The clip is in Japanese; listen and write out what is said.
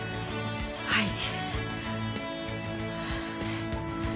はい。